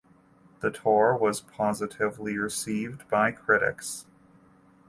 The tour was positively received by critics.